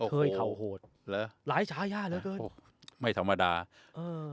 เผยเขาโหดร้ะหลายฉายาแล้วกันไม่ธรรมดาอืม